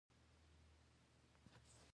ټاټ مې په ځان پسې کلک و تاړه.